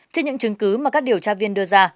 trên những chứng cứ mà các điều tra viên đưa ra